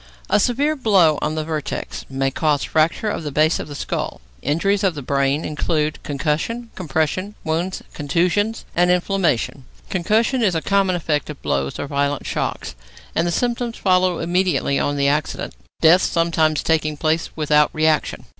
A severe blow on the vertex may cause fracture of the base of the skull. Injuries of the brain include concussion, compression, wounds, contusion, and inflammation. Concussion is a common effect of blows or violent shocks, and the symptoms follow immediately on the accident, death sometimes taking place without reaction.